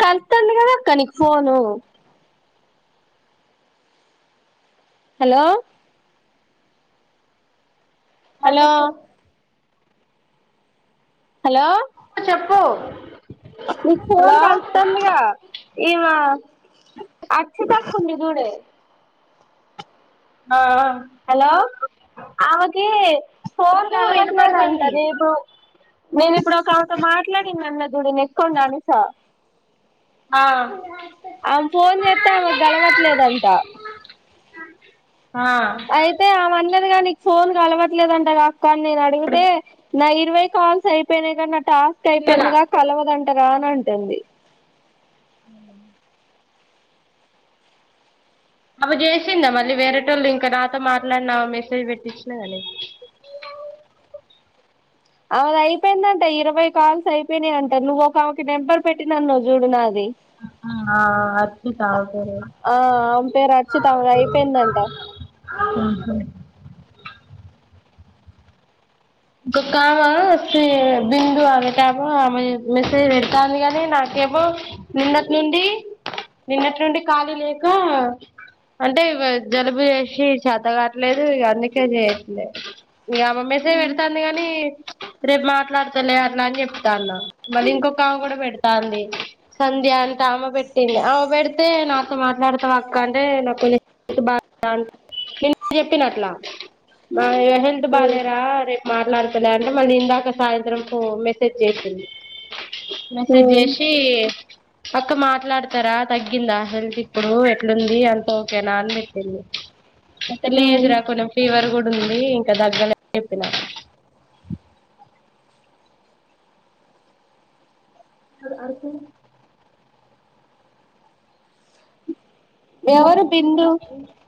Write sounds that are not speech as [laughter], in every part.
కంతండగా నాక్కనికి phone hello ఆ hello చెప్పు హలో చెప్పు నీ ఫోన్ హలో కలుతుాందిగా ఈమ అచ్చి తకుంది చూడే ఆ హలో ఆమెకి ఫోర్ చెప్పు కలవట్లేదంట వినపడుతుంది రేపు నేను ఇప్పుడు ఒక ఆమెతో మాట్లాడింది అన్నా చూడు నాకొండ అనేశా ఆ ఆమె ఫోన్ చేస్తే ఆమెకు గలవాట్లేదంటా ఆ అయితే ఆమె దిగా [unintelligible] నీకు ఫోన్ కలవట్లేదంటగా కొన్ని ఇప్పుడు అడిగితే నా ఇరవై కాల్స్ అయిపోయినాయి కదా టాస్క్ చిన్నగా అయిపోయింది గా కలవదంట రాన అంటుంది అ [inaudible] అవ చేసిందా మళ్ళీ వేరేటోళ్ళు ఇంకా నాతో మాట్లాడిన మెసేజ్ పెట్టించిన కాని అవుది అయిపోయిందంట ఇరవై కాల్స్ అయిపోయినాయి అంట నువ్వు ఒక ఆమెకి నెంబర్ పెట్టినానన్నావుచూడు నాది హహ అర్చితన ఆ ఆమె పేరు అర్చిత ఆమెది అయిపోయిందంట ఆమె పేరు ఇంకొక్క ఆమ బిందు ఆమెటమ ఆమె మెసేజ్ పెడతాంది కాని నాకేమో నిన్నటి నుండి నిన్నటి నుండి ఖాళీ లేక అంటే జలుబు చేసి చేత్త కావట్లేదు ఇ అందుకే చేయట్లేదు ఇక ఆమె మెసేజ్ పెడ ంది [unintelligible] కాని రేపు మాట్లాడతలే అట్లా అని చెప్తా అన్నా మళ ఇంకొక ఆమె కూడా పెడతాంది సంధ్య అంటే ఆమె పెట్టింది ఆమె పెడితే నాతో మాట్లాడతా అక్క అంటే నాకు బా నే చెప్పిన అట్లా హెల్త్ బాలేరా అని మాట్లాడుతులే అంటే మళ్ళీ ఇందాక సాయంత్రం మెసేజ్ చేసింది మెసేజ్ హ్మ్ చేసి అక్క మాట్లాడతారా తగ్గిందా హెల్త్ ఇప్పుడు ఎట్లుంది అంత ఓకేనా అని పెట్టింది అ హ్మ్ లేదురా కొన్ని ఫీవర్ కూడా ఉంది ఇంకా తగ్గలేదని చెప్పినా అ అర్కు [unintelligible] న్న ఎవరు [unintelligible]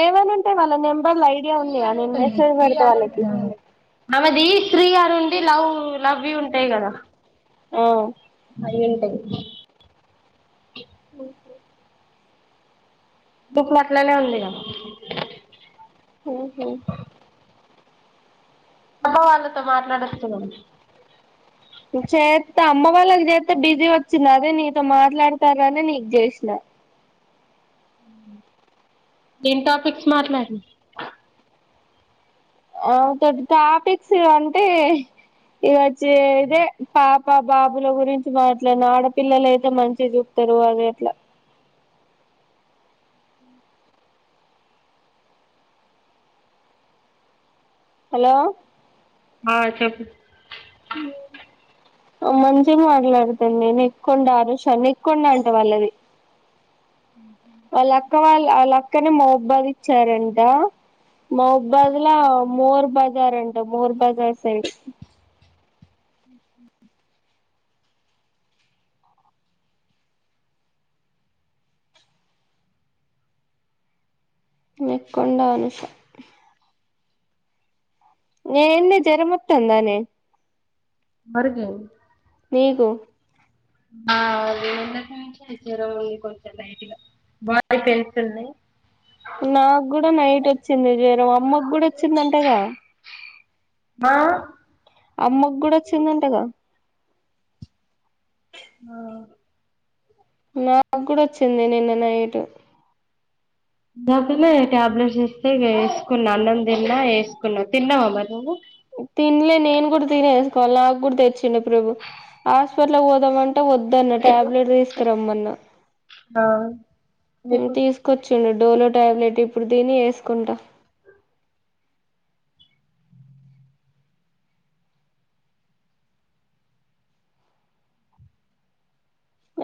ఏమైనా ఉంటాయి వాళ్ళ నంబర్లు ఇ వాల ఐడియా ఉందియా నేను మెసేజ్ పెడితే వాళ్ళకి అమెది స్త్రీ గారు ఉండి లవ్ లవ్వి ఉంటాయి కదా ఆమ్ అయి ఉంటాయి దుఃఖ [unintelligible] అట్లానే ఉందిగా హమ్ అమ్మ వాళ్ళతో మాట్లాడుస్తున్నాం చేత అమ్మ వాళ్ళకి చేత బిజీ వచ్చింది అదే నీతో మాట్లాడతార అని నీకు చేసినా ఏం టాపిక్స్ మాట్లాడిన అవుతుంది టాపిక్స్ అంటే ఇక వచ్చే ఇదే పాప బాబుల గురించి మాట్లాడిన ఆడపిల్లలు అయితే మంచిగా చూస్తారు అనీ అట్లా హలో ఆ చెప్పు మంచిగా మాట్లాడతాను నేను ఎక్కుండ ఆరుషా న ఎకుండ అంటా వాళ్ళది ఆళ్ల అక్క వాళ్ళు వాళ్ళక్కనే మహబ్బాద్ ఇచ్చారంట మహబాద్ లో మోర్ బజార్ అంట మోర్ బజార్ సైడ్ నెక్కొండ అనూష నెండె జరమత్తందానేే బర్గే మీకు ఆ నిన్నటి నుండే జరముంది కొంచెం లైట్ గా [unintelligible] నాకు కూడా నైట్ వచ్చింది వేరే అమ్మకి కూడా వచ్చిందంటగా ఆా అమ్మకు కూడా వచ్చిందంటగా ఆ నాకు కూడా వచ్చింది నిన్న నైట్ డబ్బనే టాబ్లెట్స్ ఇస్తే వేసుకున్నా అన్నం తిన్నా వేసుకున్నాం తిన్నావామ్ మే తినలే నేను కూడా తినేసుకోవాలి నాకు కూడా తెచ్చిండడి ప్రభు హాస్పిటల్కి పోదామంటే వన్న టాబ్లెట్ తీసుకుర ఆ మీకు తీసుచ్చ డోలో టాబ్లెట్ ఇప్పుడు దిని వేసుకుంటా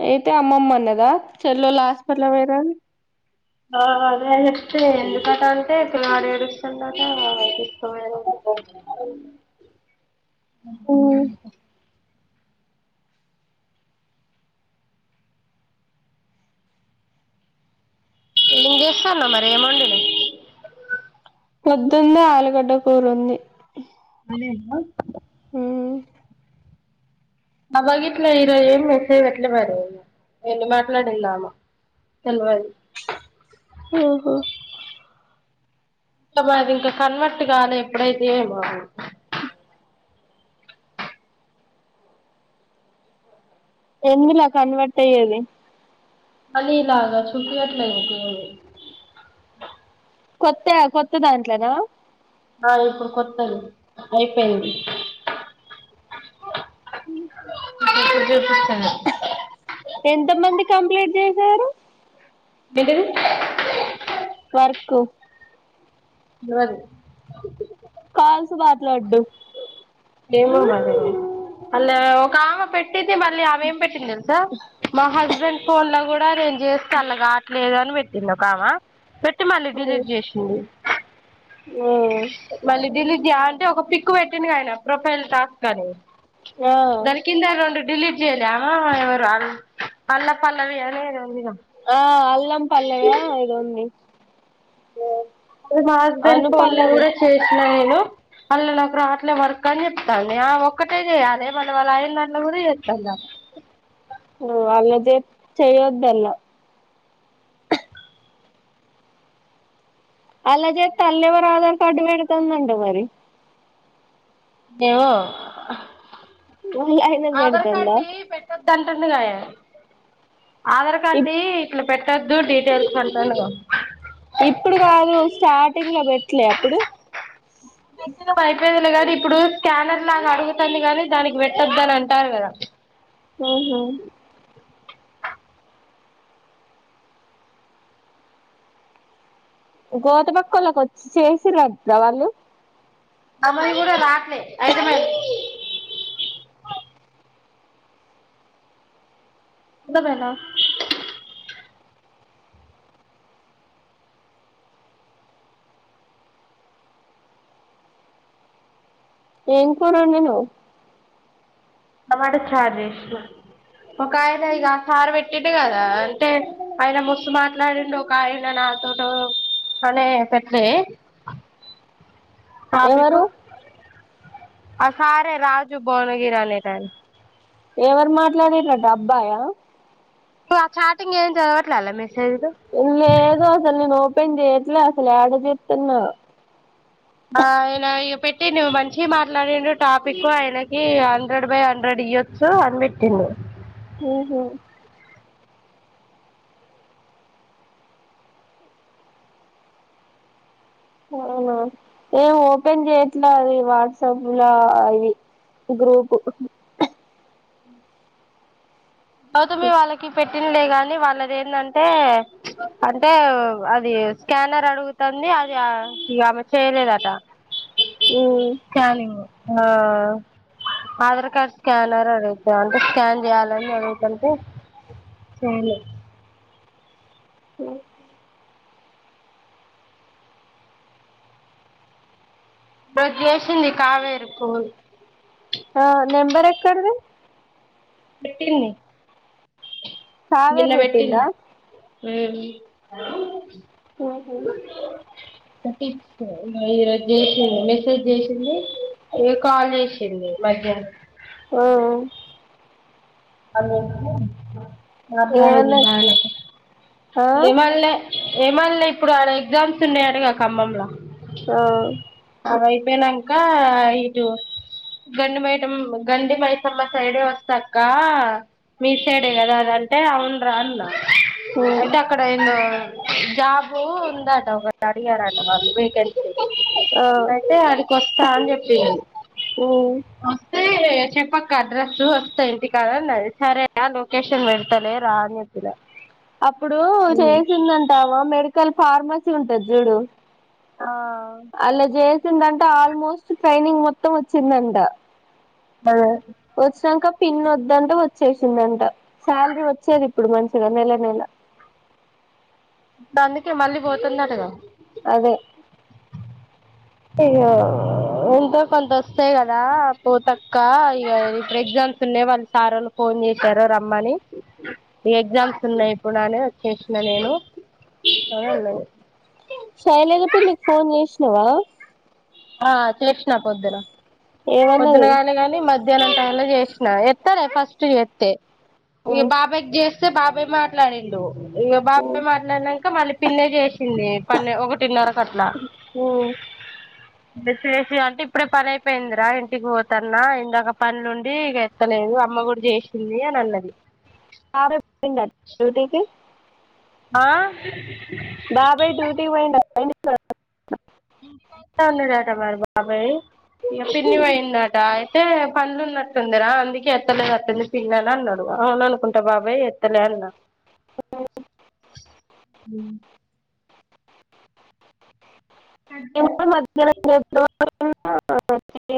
అయితే అమ్మమ్మన్నదా చెల్ళ హాస్పిటల్ వయర ఆ అదే చెప్ే ఎందుకట అంటే పిల్వాడు ఏడుస్తుంట ఆ అ అ లిషన్న మరేమౌంటడి పొద్దుంది ఆలుగడ్డ పూరుంది అ అబగ ఇట్లా ఈరోజు ఏమి మెసే్ పెట్లే మరి ఎళ మాట్లాడిందామ తెలవాల ఆఓహా ఇంకా బది ఇంకా కన్వర్ట్ కాాలి ఎప్పుడైతే బాగుదు ఎందులా కన్వర్ట్ అయ్యేది అనీలా అగా చూపి అట్లకుంది కొత్త కొత్త దాంట్లోనా ఆ ఇప్పుడు కొత్తది అయిపోయింది జ పస్తన ఎంత మంది కంప్లీట్ చేశారు వింటిది వర్కు నరి కాాల సవాతలు అడు ఏ అ ఒకమె పె పెట్టటితే మళ్ళీ అమె ఏం పెట్టింది కదసా మా హస్బెండ్ ఫన్ లో కూడా రేంజ చేస్త అల్ల కావట్లేదు పెట్టింద కామా పె మళ్ళ లీ చేసింది మళ లీ అ ఒక పిక్ పెట్టిందిడి కాయన ప్రొఫైల్ టాస్ కానే ఆ గరికిిందం డలీట్ చేయలే అమ్ ఎవరు అ అల్ల పల్లవి అనే ఆ అల్లం పల్లవా ఇదోంది మా హస్బెండ్ ఫోన్ లో అనుపల్లవి కూడా చేసినా నేను పల్ల న ఒకరు అట్లే వర్క్ అని చెప్తాంది ఆ ఒక్కటే చేయాలి వాళ్ళ వాళ్ళ అయిన నళ్లు గు చేస్తాంది అలాదే చేయొదల అలాజే తల్వర్ ఆధార్ కార్డు మేడుకనుండ మరి నేవు వాళ్ళ ఆయనది ఆధార్ పెడుతుందా కార్డ్ పెట్టొదు అంటుంది ఆధార్ కార్డు ఇట్లా పెట్ట కదుూ డిటెయిల్స్ కంటను ఇట్లే అప్పుడు చ్చ అయిపోయిదలే కదు ఇప్పుడు స్కానర్ లాగా అడుగుతుంది గాని దానికి పెట్టొద్ద అని అంటారు కదా ఆహా గోతపక్కళకి వచ్చి చేసి రాద్ద వాళ్ళు మఊ రాట్లే అయితే మరి ఉండకు పోయినా ఏం కూర వండినావ్ టమాటా చార్ జేసినా ఒక ఆయన ఇక ఆ కార్ పెట్టిండు కదా అంటే ఆయన మస్తు మాట్లాడిండు ఒక ఆయన నాతోటు అనే పెట్టలే పాపికు ఎవరు ఆ సారే రాజు భువనగిరి అనేటాయన ఎవరు మాట్లాడిర్రు అట అబ్బాయా ఆ చాటింగ్ ఏం చదవట్లే ఆళ్ల మే ఇల్లేదు అసలు నేను నో ఓపెన్ చెయ్యట్లే అసలేడజెట్టున్న మా ఆయన ఇక పెట్టిండు మంచి మాట్లాడిండు టాపిక్ ఆయనకి హండ్రెడ్ బై హండ్రెడ్ ఇయ్యొచ్చు అని పెట్టిండు హుహు అవునా ఏం ఓపెన్ చేయట్లే అది వాట్సాప్ లో ఇవి గ్రూపు అవుతే మీ వాళ్ళకి పెట్ ట్టిన్లే కాని వాళ్ళది ఏంటంటే అంటే అది స్కానర్ అడుగుతుంది అది ఆ ఇగా ఆమె చేయలేదంట కాలింగూ ఆ ఆధార్ కార్డ్ స్కానర్ అడుగుతాం అంటే స్కాన్ చేయాలని అడు ంటే చెయ్యలే అ నాది జేషింది కావేరు కు ఆ నెంబర్ ఎక్కడిది పెట్టింది కావేరు నిన్న పెట్టింది పెట్టిందా ఉమ్ హుహు టి ఈరోజు చేషింది మెసేజ్ చేషింది కాల్ చేషింది మధ్య హో మర్ నాడ ఏమన్నా నాళ్లకి ఆ ఏం అన్లే ఏం అన్లే ఇప్పుడు ఆడ ఎగ్జామ్స్ ఉన్నాయాటగా ఖమ్మంలా ఆ అది అయ్యిపోయినక ఇటు గండి మైటమ్ గండి మైసమ్మ సైడే వస్తక్క మీ సైడే కదా అని అంటే అవును రా అన్నా అయితే అక్కడ ఏందో జాబ్బు ఉందట ఒకరు అడిగారట ఆ అయితే ఆడికి వస్తా అని చెప్పింది వస్తే చెప్పక్క అడ్రెస్సు వస్తా ఇంటి కాడ అన్నది సరేనే లోకేషన్ పెడతనే రా అని చెప్పినా అప్పుడు చేసిందంటామా మేడి కల్ ఫార్మసీ ఉంటాది చూడు. ఆ అలా జేస్తే. వచ్చిందంటే ఆల్మోస్ట్ ట్రైనింగ్ మొత్తం వచ్చిందట. బా వచ్చాక పిన్ని వద్దంట వచ్చేసిందంట శాలరీ వచ్చేది ఇప్పుడు మంచిగా నెల నెల దందుకే మళ్ళీ పోతుందటగా అదే ఇక ఎంతో కొంత వస్తాయి కదా పోత అక్క ఇక ఇప్పుడు ఎగ్జామ్స్ ఉన్నాయి వాళ్ళు సార్ వాళ్ళు ఫోన్ చేసారు రమ్మని ఇక ఎగ్జామ్స్ ఉన్నాయి ఇప్పుడు అని వచ్చేసిన నేను అని అన్నది శైలేజ పన్ని కి ఫోన్ చేసిన్నవా ఆహా చేసిన పొద్దున్నే ఏమన్నది పొద్దునగానే గాని మధ్యాహ్నం మధ్యాహ్నంత కలా చేసిన ఎత్తాలే ఫస్ట్ చేస్తే ఈగ బాబాయ్ కి చే చేస్తే బాబాయ్ మాట్లాడిండు ఇగ బాబాయ్ మాట్లాడినాక మళ్ళీ పిన్నే చేసింది పన్నె ఒకటిన్నరకట్లా హ్మ్ చేసి అంటే ఇప్పుడే పని అయిపోయిందిరా ఇంటికి పోతున్నా ఇందాక పనులుండి ఇగ ఎత్తలేదు అమ్మ కూడా చేసింది అని అన్నది టికి డ్యూటీకి ఆహా ఆ సార్ ఇంస్తాన్నాడట మరి బాబాయ్ ఇక పిన్ని పోయిందట అయితే పంలు ఉన్నట్టుందిరా అందుకే ఎత్తలేదు అస్తుంది పిన్నా అని అన్నాడు అవున అనుకుంటా బాబాయ్ ఎత్తలే అన్నాడు మధ్యాహ్నం హు [unintelligible]